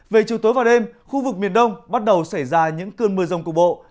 về chiều tối và đêm khu vực miền đông bắt đầu xảy ra những cơn mưa rông cục bộ